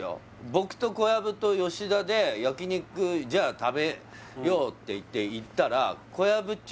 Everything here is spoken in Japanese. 僕と小籔と吉田で焼肉じゃあ食べようって言って行ったら小籔っち